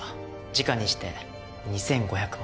時価にして２５００万。